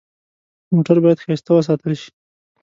موټر باید ښایسته وساتل شي.